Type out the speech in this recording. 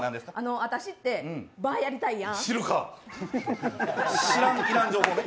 私ってバーやりたいやん。